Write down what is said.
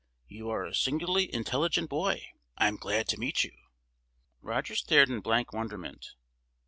You are a singularly intelligent boy. I am glad to meet you." Roger stared in blank wonderment.